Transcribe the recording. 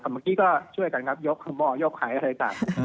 เมื่อกี้ก็ช่วยกันครับยกหม้อยกหายอะไรต่าง